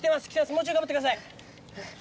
もうちょい頑張ってください！